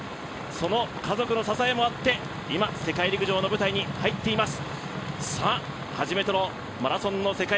その家族の支えもあって今、世界陸上に立っています。